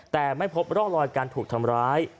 แต่ไม่พบร่องรอยการถูกทำร้าย